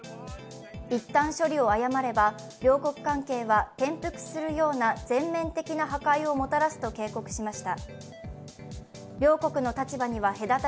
一旦処理を誤れば両国関係は転覆するような全面的な破壊をもたらすと、警告しました。